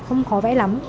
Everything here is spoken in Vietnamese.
không khó vẽ lắm